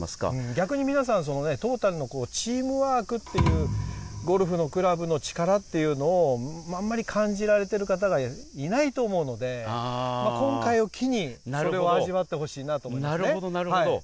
逆に皆さんトータルのチームワークという、ゴルフのクラブの力というのをあんまり感じられている方がいないと思うので今回を機にそれを味わってほしいなと思いますなるほど、なるほど。